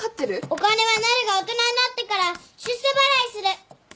お金はなるが大人になってから出世払いする。